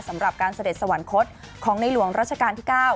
สำหรับการเสด็จสวรรคตของในหลวงรัชกาลที่๙